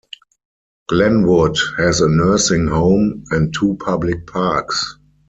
Glenwood has a nursing home and two public parks.